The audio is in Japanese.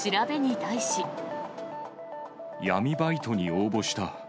闇バイトに応募した。